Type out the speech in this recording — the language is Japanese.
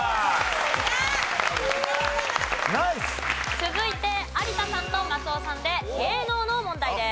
続いて有田さんと松尾さんで芸能の問題です。